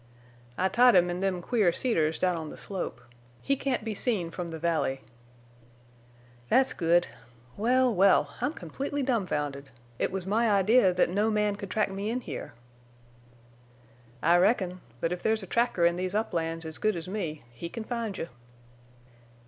"I tied him in them queer cedars down on the slope. He can't be seen from the valley." "That's good. Well, well! I'm completely dumfounded. It was my idea that no man could track me in here." "I reckon. But if there's a tracker in these uplands as good as me he can find you."